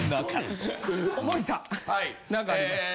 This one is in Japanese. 何かありますか？